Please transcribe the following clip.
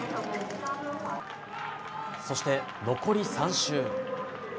そして、残り３周。